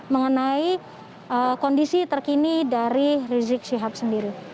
mengenai kondisi terkini dari rizik syihab sendiri